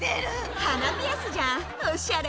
鼻ピアスじゃん、おしゃれ。